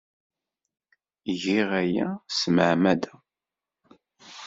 Giɣ aya s tmeɛmada.